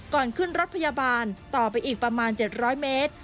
ก่อนขึ้นรถพยาบาลต่อไปอีกประมาณ๗๐๐เมตร